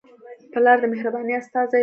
پلار د مهربانۍ استازی دی.